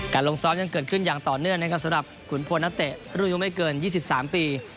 ลงซ้อมยังเกิดขึ้นอย่างต่อเนื่องนะครับสำหรับขุนพลนักเตะรุ่นอายุไม่เกิน๒๓ปี